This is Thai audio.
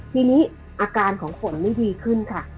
ทีนี้อาการของฝนนี่ดีขึ้นค่ะ